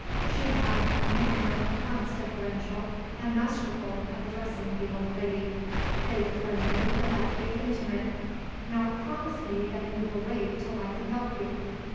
She had a manner at once deferential and masterful of addressing the old lady. They were friendly without being intimate. "Now promise me that you will wait till I can help you."